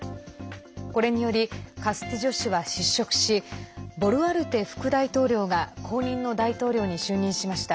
これによりカスティジョ氏は失職しボルアルテ副大統領が後任の大統領に就任しました。